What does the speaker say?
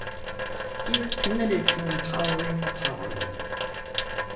He was committed to empowering the powerless.